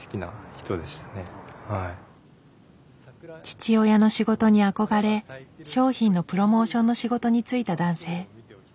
父親の仕事に憧れ商品のプロモーションの仕事に就いた男性。